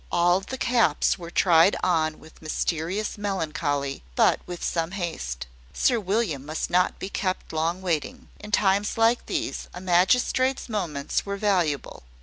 All the caps were tried on with mysterious melancholy, but with some haste. Sir William must not be kept long waiting: in times like these, a magistrate's moments were valuable.